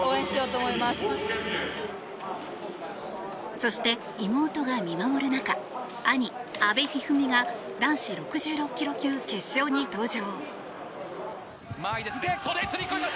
そして、妹が見守る中兄・阿部一二三が男子６６ｋｇ級決勝に登場。